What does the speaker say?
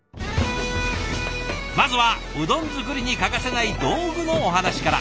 まずはうどん作りに欠かせない道具のお話から。